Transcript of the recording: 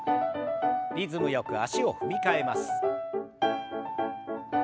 リズムよく足を踏み替えます。